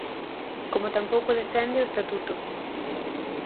Como tampouco defende o Estatuto.